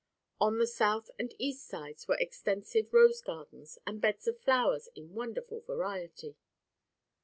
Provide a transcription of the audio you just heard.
On the south and east sides were extensive rose gardens and beds of flowers in wonderful variety.